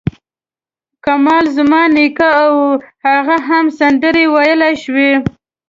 کمال زما نیکه و او هغه هم سندرې ویلای شوې.